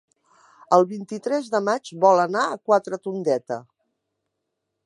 El vint-i-tres de maig vol anar a Quatretondeta.